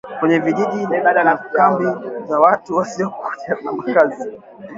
kwenye vijiji na kambi za watu wasiokuwa na makazi